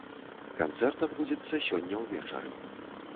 Канцэрт адбудзецца сёння ўвечары.